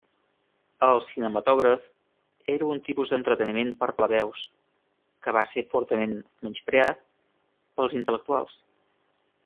El cinematògraf era un tipus d'entreteniment per plebeus que va ser fortament menyspreat pels intel·lectuals.